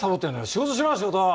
仕事しろ仕事！